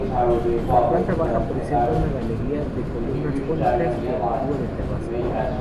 La planta baja presenta una galería de columnas jónicas que actúa de terraza.